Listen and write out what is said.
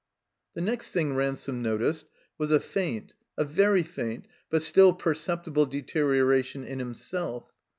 The next thing Ransome noticed was a faint, a very faint, but still perceptible deterioration in him self.